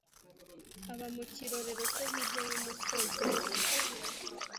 aba mu kirorero cyo hirya y'umusozi.